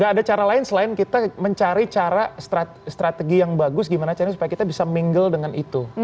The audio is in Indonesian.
gak ada cara lain selain kita mencari cara strategi yang bagus gimana caranya supaya kita bisa mingle dengan itu